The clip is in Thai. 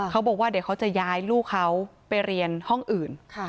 เขาบอกว่าเดี๋ยวเขาจะย้ายลูกเขาไปเรียนห้องอื่น